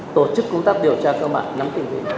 tổ chức công tác điều tra cơ mạng